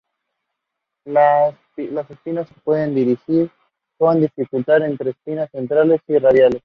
Las espinas se pueden distinguir con dificultad entre espinas centrales y radiales.